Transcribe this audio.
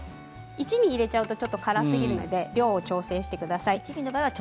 一味を入れると辛すぎるので調整してください。